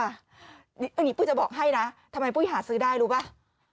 อันนี้ปุ๊กจะบอกให้นะทำไมปุ๊กอยากหาซื้อได้รู้ไหม